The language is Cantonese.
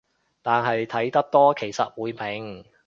但係睇得多其實會明